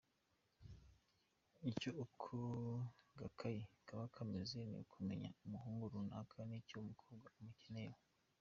Icyo ako gakayi kaba kamaze ni ukumenya umuhungu runaka nicyo umukobwa amukeneyeho.